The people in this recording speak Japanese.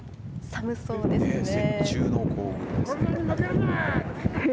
寒そうですね。